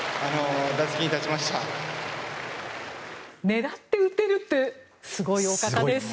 狙って打てるってすごいお方です。